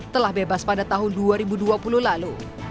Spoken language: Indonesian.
telah bebas pada tahun dua ribu dua puluh lalu